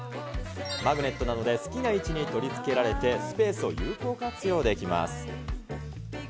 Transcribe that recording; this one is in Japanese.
マグネットなので好きな位置に取り付けられて、スペースを有効活用できます。